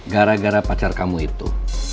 gara gara pacar kamu itu